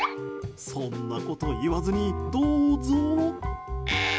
そんなこと言わずに、どうぞ。